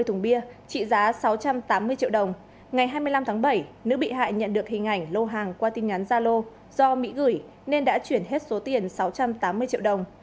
bảy nữ bị hại nhận được hình ảnh lô hàng qua tin nhắn gia lô do mỹ gửi nên đã chuyển hết số tiền sáu trăm tám mươi triệu đồng